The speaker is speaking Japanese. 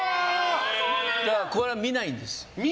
だから、これは見ないんです。